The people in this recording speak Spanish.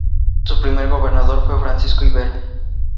Su primer gobernador fue Francisco Íbero.